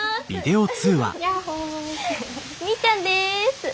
やっほ！みーちゃんです！